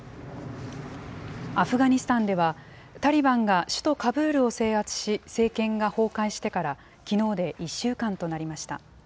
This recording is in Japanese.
アフガニスタンでは、タリバンが首都カブールを制圧し、政権が崩壊してから、きのうで１週間となりました。